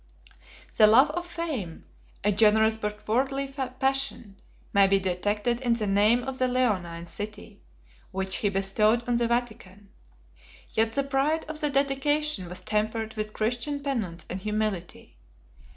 The love of fame, a generous but worldly passion, may be detected in the name of the Leonine city, which he bestowed on the Vatican; yet the pride of the dedication was tempered with Christian penance and humility.